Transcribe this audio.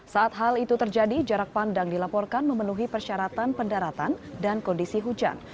saat hal itu terjadi jarak pandang dilaporkan memenuhi persyaratan pendaratan dan kondisi hujan